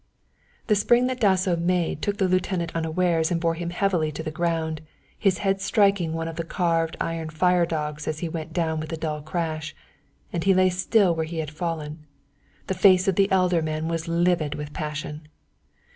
The spring that Dasso made took the lieutenant unawares and bore him heavily to the ground, his head striking one of the carved iron firedogs as he went down with a dull crash, and he lay still where he had fallen. The face of the elder man was livid with passion.